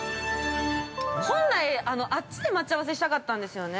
◆本来、あっちで待ち合わせしたかったんですよね。